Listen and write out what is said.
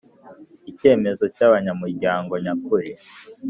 Icyemezo cy abanyamuryango nyakuri